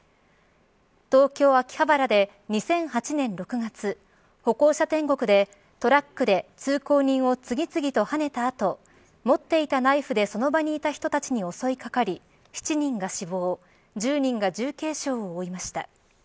東京、秋葉原で２００８年６月歩行者天国でトラックで通行人を次々とはねた後持っていったナイフでその場にいた人たちに襲いかかり７人が死亡１０人が重軽傷を負いました。